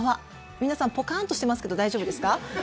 皆さん、ぽかんとしてますけど大丈夫ですか。